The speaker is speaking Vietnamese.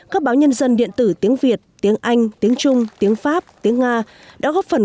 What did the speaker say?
các báo nhân dân điện tử tiếng việt tiếng anh tiếng trung tiếng pháp tiếng nga đã góp phần